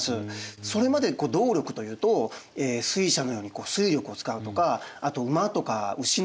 それまで動力というと水車のように水力を使うとかあと馬とか牛のようなですね